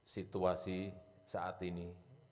situasi saat ini